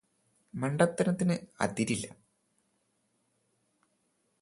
മണ്ടത്തരത്തിന് അതിരില്ല